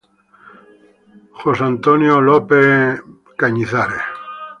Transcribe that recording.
F. Kennedy.